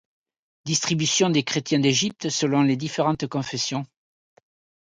Distributions des chrétiens d’Égypte selon les différentes confessions.